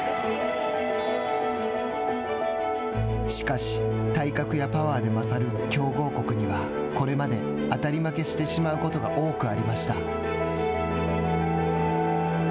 しかし、体格やパワーで勝る強豪国には、これまで当たり負けしてしまうことが多くありました。